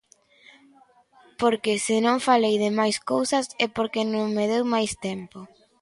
Porque se non falei de máis cousas é porque non me deu máis tempo.